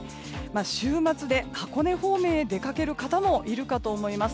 週末で箱根方面へ出かける方もいるかと思います。